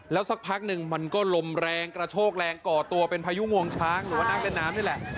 สักพักหนึ่งมันก็ลมแรงกระโชกแรงก่อตัวเป็นพายุงวงช้างหรือว่านักเล่นน้ำนี่แหละ